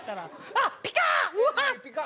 あっピカッ！